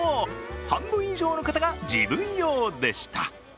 半分以上の方が自分用でした。